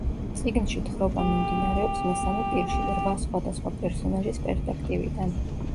წიგნში თხრობა მიმდინარეობს მესამე პირში, რვა სხვადასხვა პერსონაჟის პერსპექტივიდან.